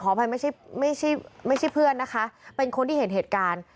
อภัยไม่ใช่ไม่ใช่เพื่อนนะคะเป็นคนที่เห็นเหตุการณ์